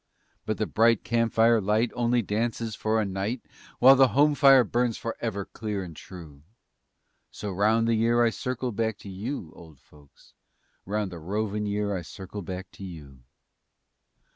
But the bright campfire light only dances for a night, While the home fire burns forever clear and true, So 'round the year I circle back to you, Old folks, 'Round the rovin' year I circle back to you.